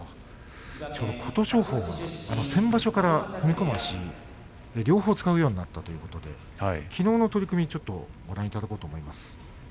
琴勝峰が先場所から踏み込む足を両方使うようになったということで、きのうの取組をちょっとご覧いただこうと思います。